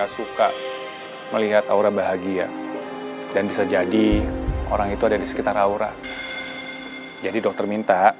sampai jumpa di video selanjutnya